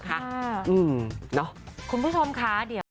คุณผู้ชมคะเดี๋ยว